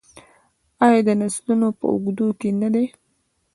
آیا د نسلونو په اوږدو کې نه دی؟